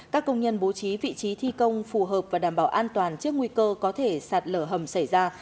các công nhân bố trí vị trí thi công phù hợp và đảm bảo an toàn trước nguy cơ có thể sạt lở hầm xảy ra